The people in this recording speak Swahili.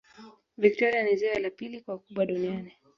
victoria ni ziwa la pili kwa ukubwa duniani